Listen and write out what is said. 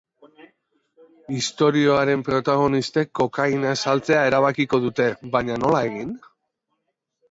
Istorioaren protagonistek kokaina saltzea erabakiko dute, baina nola egin?